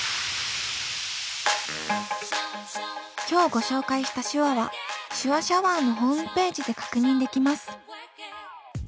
今日ご紹介した手話は「手話シャワー」のホームページで確認できます。